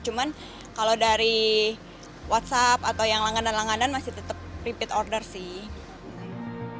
cuman kalau dari whatsapp atau yang langganan langganan masih tetap repeat order sih